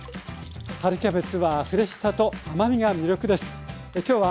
春キャベツはフレッシュさと甘みが魅力です。